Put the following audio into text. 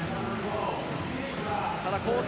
ただ、コース